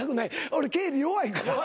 俺経理弱いから。